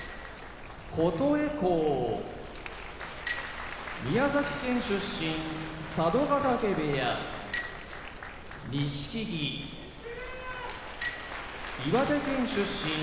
琴恵光宮崎県出身佐渡ヶ嶽部屋錦木岩手県出身